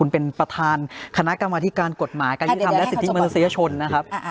คุณเป็นประธานคณะกรรมวาธิการกฎหมายการยืดทำและสิทธิบัญชาชนนะครับ